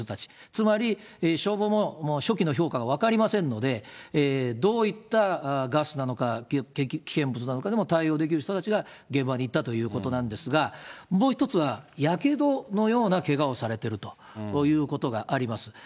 つまり、消防も初期の評価が分かりませんので、どういったガスなのか、危険物なのかでも対応できる人たちが現場に行ったということなんですが、もう一つは、やけどのようなけがをされているということがあります。